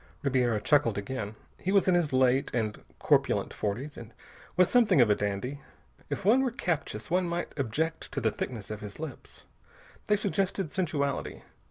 Ribiera chuckled again. He was in his late and corpulent forties and was something of a dandy. If one were captious, one might object to the thickness of his lips. They suggested sensuality.